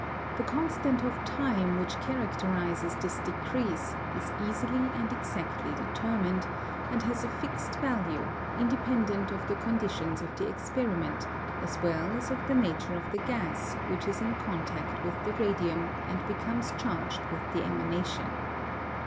The constant of time which characterises this decrease is easily and exactly determined, and has a fixed value, independent of the conditions of the experiment as well as of the nature of the gas which is in contact with the radium and becomes charged with the emanation.